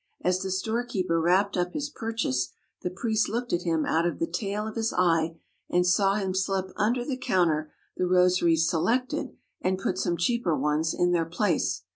As the storekeeper wrapped up his purchase, the priest looked at him out of the tail of his eye and saw him slip under the counter the rosaries se lected and put some cheaper ones in their place.